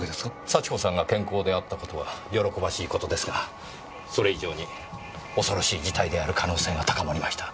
幸子さんが健康であった事は喜ばしい事ですがそれ以上に恐ろしい事態である可能性が高まりました。